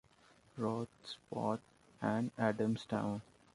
Roath, Splott and Adamsdown.